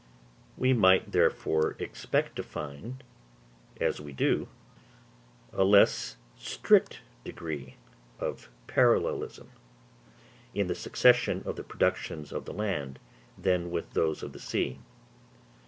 We might therefore expect to find, as we do find, a less strict degree of parallelism in the succession of the productions of the land than with those of the sea.